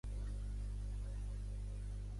Què han esdevingut les composicions de Rafael?